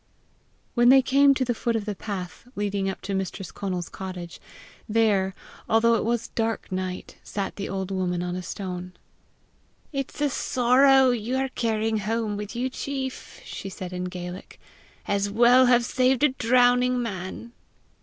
When they came to the foot of the path leading up to Mistress Conal's cottage, there, although it was dark night, sat the old woman on a stone. "It's a sorrow you are carrying home with you, chief!" she said in Gaelic. "As well have saved a drowning man!"